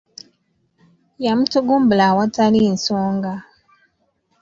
Yamutugumbula awatali nsonga.